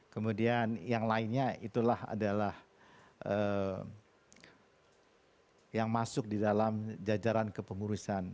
kemudian yang lainnya itulah adalah yang masuk di dalam jajaran kepengurusan